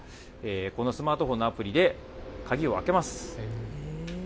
このスマートフォンのアプリで鍵を開けます。